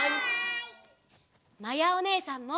まやおねえさんも！